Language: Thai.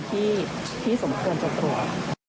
ที่สมควรจะตรวจ